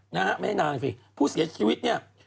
ไม่ใช่นางพี่พูดเสียชีวิตเนี่ย